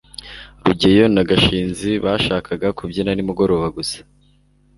rugeyo na gashinzi bashakaga kubyina nimugoroba gusa